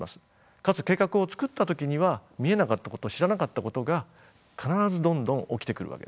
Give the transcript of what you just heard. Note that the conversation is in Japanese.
かつ計画を作った時には見えなかったこと知らなかったことが必ずどんどん起きてくるわけです。